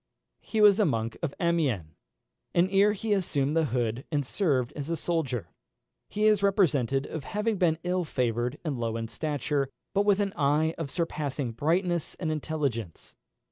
He was a monk of Amiens, and ere he assumed the hood had served as a soldier. He is represented as having been ill favoured and low in stature, but with an eye of surpassing brightness and intelligence.